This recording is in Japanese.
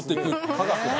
科学だ。